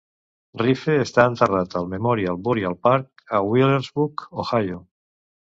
Riffe està enterrat al Memorial Burial Park a Wheelersburg, Ohio.